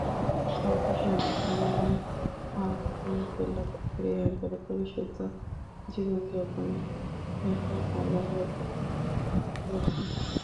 ভবিষ্যৎ জীবনে পাপ-পঙ্কিলতা পরিহার করে পরিশুদ্ধ জীবনযাপনের জন্য আল্লাহর রহমত কামনা করেছেন।